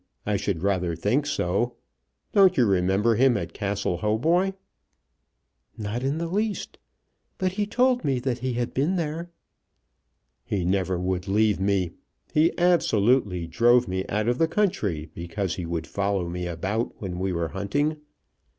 I should rather think so. Don't you remember him at Castle Hautboy?" "Not in the least. But he told me that he had been there." "He never would leave me. He absolutely drove me out of the country because he would follow me about when we were hunting.